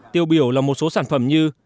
tiêu biểu là một số sản phẩm như